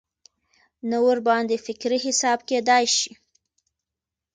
نه ورباندې فکري حساب کېدای شي.